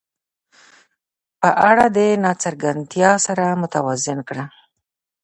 په اړه د ناڅرګندتیا سره متوازن کړه.